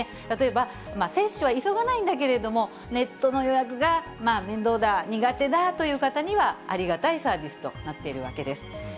例えば、接種は急がないんだけれども、ネットの予約が面倒だ、苦手だという方には、ありがたいサービスとなっているわけです。